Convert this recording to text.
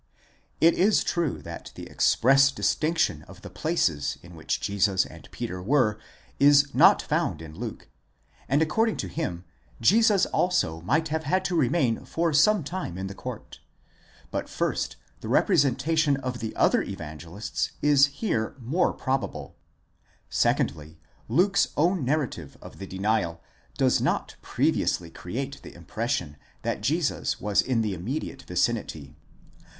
It is true that the express distinction of the places in which Jesus and Peter were is not found in Luke, and according to him Jesus also might have had to remain some time in the court: but first, the representation of the other Evangelists is here more probable: secondly, Luke's own narrative of the denial does not previously create the impression that Jesus was in the immediate vicinity.